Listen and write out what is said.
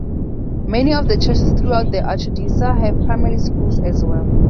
Many of the churches throughout the archdiocese have primary schools as well.